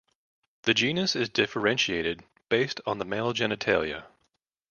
The genus is differentiated based on the male genitalia.